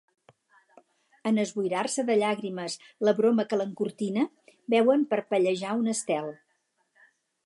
En esboirar-se de llàgrimes la broma que l'encortina, veuen parpellejar un estel.